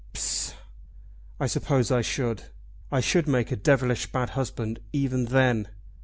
"Psha!" "I suppose I should. I should make a devilish bad husband even then."